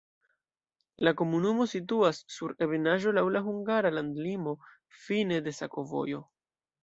La komunumo situas sur ebenaĵo, laŭ la hungara landlimo, fine de sakovojo.